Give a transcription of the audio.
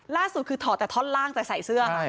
ล่าสุดคือถอดแต่ท่อนล่างแต่ใส่เสื้อค่ะ